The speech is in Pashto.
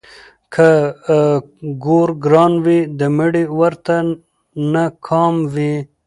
ـ که ګور ګران وي د مړي ورته نه کام وي.